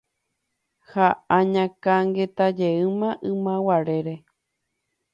ha añakãngetajeýma ymaguarére